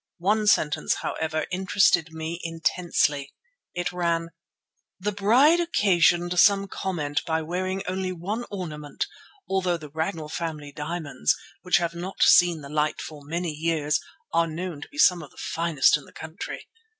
One sentence, however, interested me intensely. It ran: "The bride occasioned some comment by wearing only one ornament, although the Ragnall family diamonds, which have not seen the light for many years, are known to be some of the finest in the country.